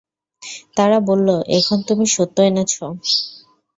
তারা বলল, এখন তুমি সত্য এনেছ।